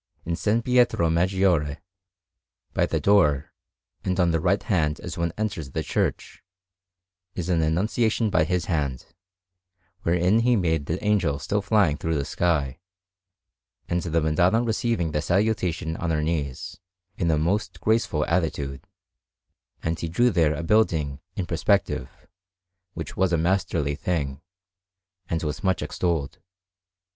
In S. Pietro Maggiore, by the door, and on the right hand as one enters the church, is an Annunciation by his hand, wherein he made the Angel still flying through the sky, and the Madonna receiving the Salutation on her knees, in a most graceful attitude; and he drew there a building in perspective, which was a masterly thing, and was much extolled.